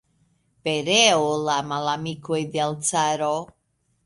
Pereu la malamikoj de l' caro!